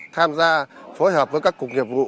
tham gia phối hợp với các cục nghiệp vụ